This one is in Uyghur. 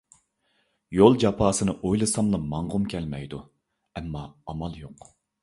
يول جاپاسىنى ئويلىساملا ماڭغۇم كەلمەيدۇ. ئەمما ئامال يوق.